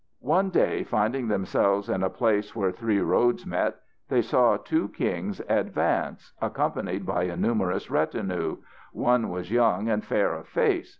One day, finding themselves in a place where three roads met, they saw two kings advance accompanied by a numerous retinue; one was young and fair of face.